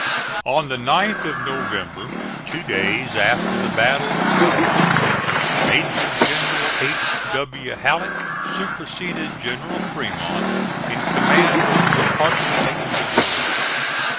On the 9th of November, two days after the battle of Belmont, Major General H. W. Halleck superseded General Fremont in command of the Department of the Missouri.